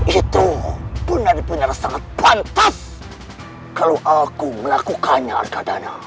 itu benar sangat pantas kalau aku melakukannya